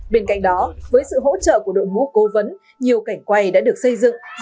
bên cạnh đó với sự hỗ trợ của đội ngũ cố vấn nhiều cảnh quay đã được xây dựng